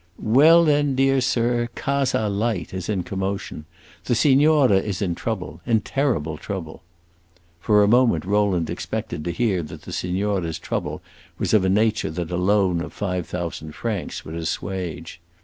"Well then, dear sir, Casa Light is in commotion. The signora is in trouble in terrible trouble." For a moment Rowland expected to hear that the signora's trouble was of a nature that a loan of five thousand francs would assuage.